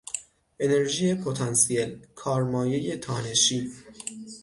انرژی پتانسیل، کارمایهی تانشی